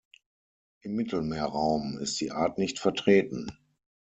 Im Mittelmeerraum ist die Art nicht vertreten.